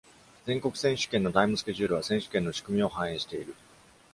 全国選手権のタイムスケジュールは選手権の仕組みを反映している。